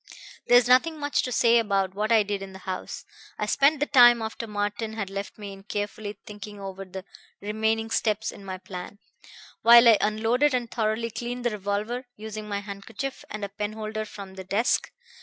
"There's nothing much to say about what I did in the house. I spent the time after Martin had left me in carefully thinking over the remaining steps in my plan, while I unloaded and thoroughly cleaned the revolver, using my handkerchief and a penholder from the desk.